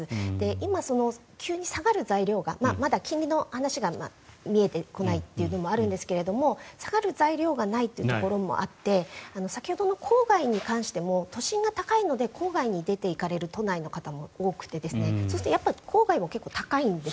今、急に下がる材料がまだ金利の話が見えてこないというのもあるんですが下がる材料がないというところもあって先ほどの郊外に関しても都心が高いので郊外に出ていかれる都内の方も多くてやっぱり郊外も結構高いんです。